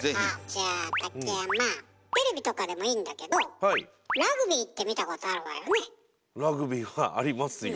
じゃあ竹山テレビとかでもいいんだけどラグビーはいありますよ。